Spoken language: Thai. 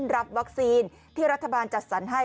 รับวัคซีนที่รัฐบาลจัดสรรให้